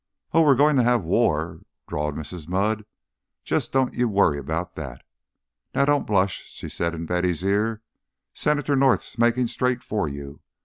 "Oh, we're goin' to have war," drawled Mrs. Mudd. "Just don't you worry about that. Now don't blush," she said in Betty's ear. "Senator North's makin' straight for you.